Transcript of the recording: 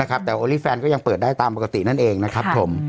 นะครับแต่โอลิแฟนก็ยังเปิดได้ตามปกตินั่นเองนะครับครับผม